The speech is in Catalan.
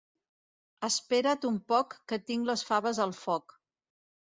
Espera't un poc que tinc les faves al foc.